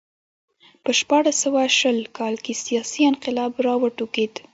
په شپاړس سوه شل کال کې سیاسي انقلاب راوټوکېد